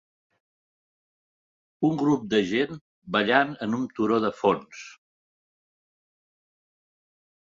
Un grup de gent ballant amb un turó de fons.